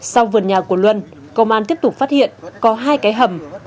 sau vườn nhà của luân công an tiếp tục phát hiện có hai cái hầm